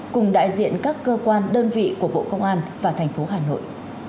cùng đại diện các cơ quan đơn vị của bộ công an và thành phố hà nội